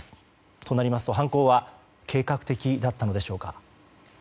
となりますと犯行は計画的だったのでしょうか。